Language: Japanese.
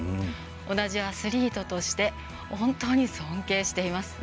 同じアスリートとして本当に尊敬しています。